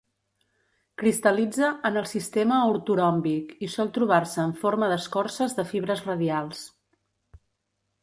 Cristal·litza en el sistema ortoròmbic, i sol trobar-se en forma d'escorces de fibres radials.